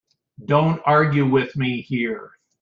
Don't argue with me here.